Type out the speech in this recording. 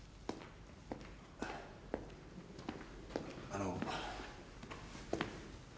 あの。